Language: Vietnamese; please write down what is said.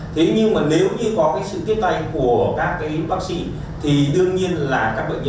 thế nhưng mà nếu như có cái sự tiếp tay của các bác sĩ thì đương nhiên là các bệnh nhân này sẽ có thời gian điều trị rất dài hạn trong đấy